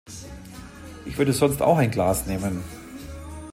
Ich würde sonst auch ein Glas nehmen.